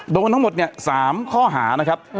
โดนทั้งหมดเนี่ย๓ข้อหานะครับ